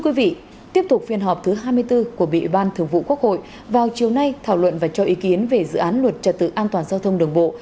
quý vị tiếp tục phiên họp thứ hai mươi bốn của bị ban thường vụ quốc hội vào chiều nay thảo luận và cho ý kiến về dự án luật trật tự an toàn giao thông đường bộ